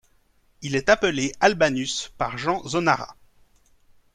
Il est appelé Albanus par Jean Zonaras.